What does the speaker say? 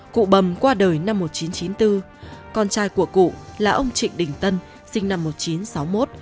cụ bầm qua đời năm một nghìn chín trăm chín mươi bốn con trai của cụ là ông trịnh đình tân sinh năm một nghìn chín trăm sáu mươi một